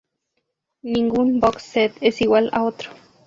Ningún Box Set es igual a otro.